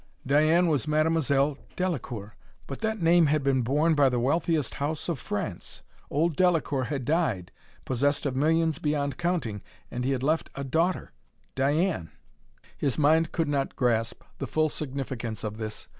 Diane was Mademoiselle Delacoeur! But that name had been borne by the wealthiest house of France! Old Delacoeur had died, possessed of millions beyond counting and he had left a daughter Diane! His mind could not grasp the full significance of this.